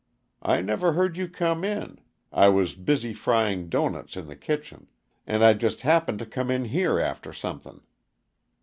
I never heard you come in I was busy frying doughnuts in the kitchen and I just happened to come in here after something.